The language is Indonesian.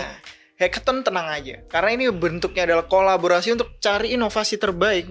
hackern tenang aja karena ini bentuknya adalah kolaborasi untuk cari inovasi terbaik